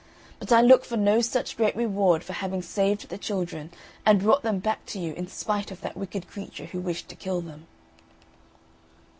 But I look for no such great reward for having saved the children, and brought them back to you in spite of that wicked creature who wished to kill them."